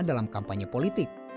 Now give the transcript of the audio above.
dalam kampanye politik